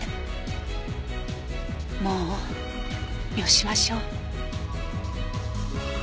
もうよしましょう。